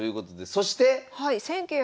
そして？